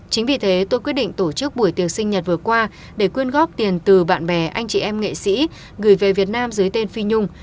chính vì thế tôi quyết định tổ chức buổi tiệc sinh nhật vừa qua để quyên góp tiền từ bạn bè anh chị em nghệ sĩ gửi về việt nam dưới tên phi nhung